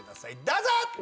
どうぞ！